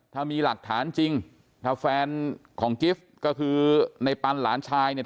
ถ้ามีหลักฐานจริงถ้าแฟนของกิฟต์ก็คือในปันหลานชายเนี่ย